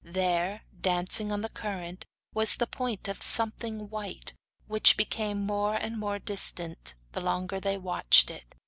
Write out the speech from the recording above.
There, dancing on the current, was the point of something white, which became more and more distant the longer they watched it.